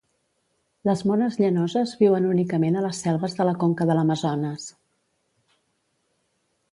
Les mones llanoses viuen únicament a les selves de la conca de l'Amazones.